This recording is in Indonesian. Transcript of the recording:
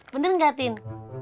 bener nggak tin